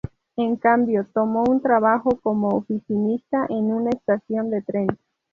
En cambio, tomó un trabajó como oficinista en una estación de tren.